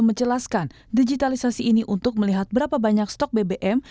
menjelaskan digitalisasi ini untuk melihat berapa banyak stok bbm